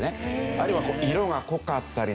あるいは色が濃かったりですね